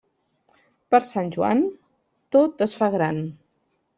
Per Sant Joan, tot es fa gran.